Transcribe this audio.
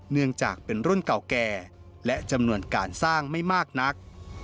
เนื่องจากเป็นรุ่นเก่าแก่และจำนวนการสร้างไม่มากนัก